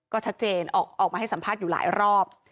ก็ชัดเจนออกมาให้สัมภาษณ์อยู่หลายรอบ